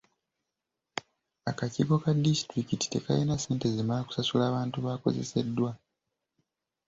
Akakiiko ka disitulikiti tekalina ssente zimala kusasula bantu bakozeseddwa.